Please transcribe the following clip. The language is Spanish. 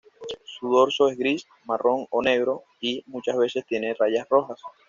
Su dorso es gris, marrón o negro y muchas veces tiene rayas rojas.